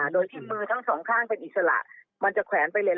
โดยที่มือทั้งสองข้างเป็นอิสระมันจะแขวนไปเลน